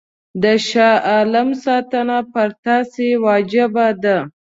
د شاه عالم ساتنه پر تاسي واجب ده.